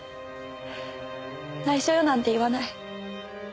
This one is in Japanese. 「内緒よ」なんて言わない。